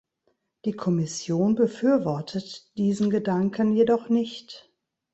Die Kommission befürwortet diesen Gedanken jedoch nicht.